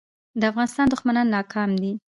د افغانستان دښمنان ناکام دي